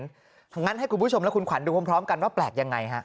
งั้นให้คุณผู้ชมและคุณขวัญดูพร้อมกันว่าแปลกยังไงฮะ